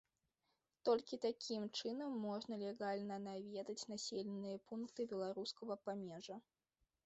Толькі такім чынам можна легальна наведаць населеныя пункты беларускага памежжа.